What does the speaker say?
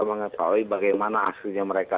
mengetahui bagaimana hasilnya mereka